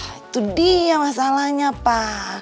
wah itu dia masalahnya pa